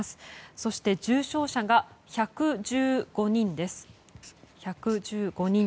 そして、重症者が１１５人です。